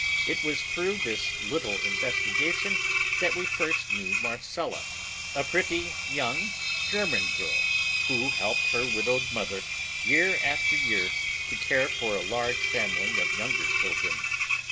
It was through this little investigation that we first knew Marcella, a pretty young German girl who helped her widowed mother year after year to care for a large family of younger children.